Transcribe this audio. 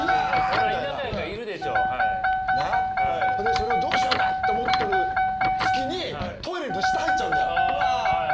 それをどうしようかと思ってる隙にトイレの下入っちゃうんだよ。